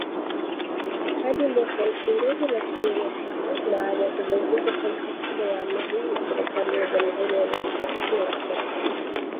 hadi mwaka elfu mbili na kumi na tatu baada ya kuvunjika kwa mkataba wa amani na serikali ya Jamuhuri ya Demokrasia ya Kongo